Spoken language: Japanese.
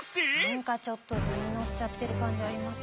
何かちょっと図に乗っちゃってる感じありますよ。